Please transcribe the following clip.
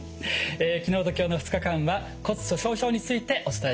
昨日と今日の２日間は骨粗しょう症についてお伝えしました。